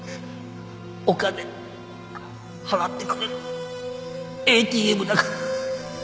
お金払ってくれるＡＴＭだから。